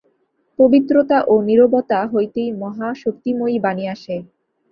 পবিত্রতা ও নীরবতা হইতেই মহা শক্তিময়ী বাণী আসে।